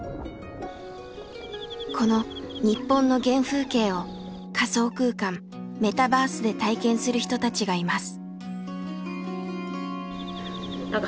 この日本の原風景を仮想空間メタバースで体験する人たちがいます。